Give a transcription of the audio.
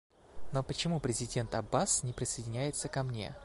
Но почему президент Аббас не присоединяется ко мне?